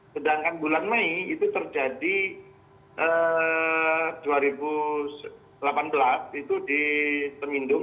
sedangkan bulan mei itu terjadi dua ribu delapan belas itu di semindung